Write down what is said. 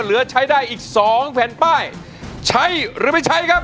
เหลือใช้ได้อีกสองแผ่นป้ายใช้หรือไม่ใช้ครับ